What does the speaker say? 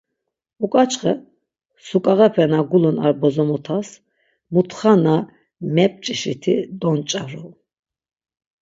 Uǩaçxe suǩağepe na gulun ar bozomotas mutxa na mep̌ç̌işiti donç̌aru.